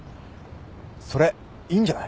それいいんじゃない？